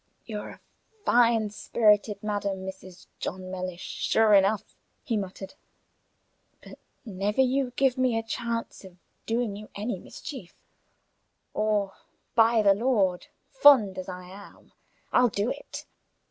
"You're a fine spirited madam, Mrs. John Mellish, sure enough," he muttered; "but never you give me a chance of doing you any mischief, or by the Lord, fond as I am, I'll do it!